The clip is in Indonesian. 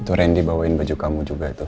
to randy bawain baju kamu juga tuh